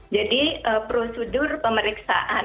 jadi prosedur pemeriksaan